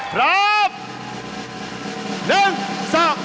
พร้อม